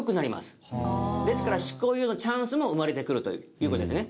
ですから執行猶予のチャンスも生まれてくるという事ですね。